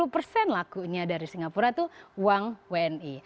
lima puluh persen lakunya dari singapura itu uang wni